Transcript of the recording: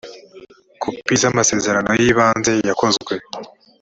kopi z amasezerano y ibanze yakozwe